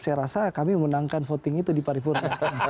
saya rasa kami menangkan voting itu di pari purna